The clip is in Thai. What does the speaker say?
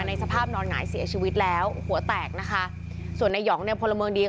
สภาพนอนหงายเสียชีวิตแล้วหัวแตกนะคะส่วนในหองเนี่ยพลเมืองดี